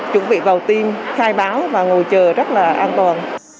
chuẩn bị vào tim khai báo và ngồi chờ rất là an toàn